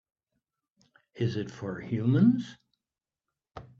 Is it for humans?